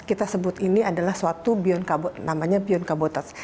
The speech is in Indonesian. kita sebut ini adalah suatu bion cabotage